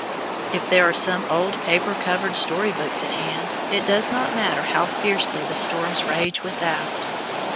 If there are some old paper covered story books at hand, it does not matter how fiercely the storms rage without.